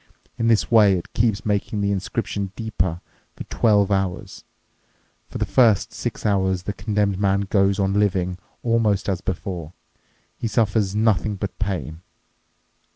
In this way it keeps making the inscription deeper for twelve hours. For the first six hours the condemned man goes on living almost as before. He suffers nothing but pain.